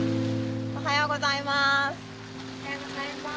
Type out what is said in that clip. おはようございます。